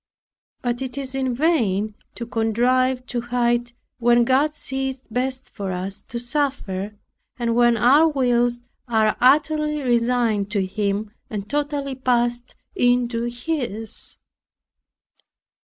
But it is in vain to contrive to hide, when God sees it best for us to suffer, and when our wills are utterly resigned to Him, and totally passed into His.